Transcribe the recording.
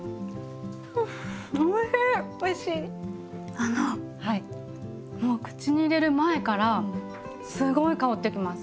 あのもう口に入れる前からすごい香ってきます。